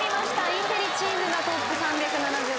インテリチームがトップ３７０点。